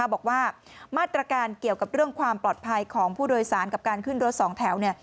บอกว่ามาตรการเกี่ยวกับเรื่องความปลอดภัยของผู้โดยสารกับการขึ้นรถสองแถว